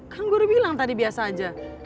kan gue udah bilang tadi biasa aja